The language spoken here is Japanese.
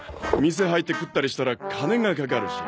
店入って食ったりしたら金がかかるし。